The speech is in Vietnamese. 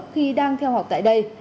khi đang theo học tại đây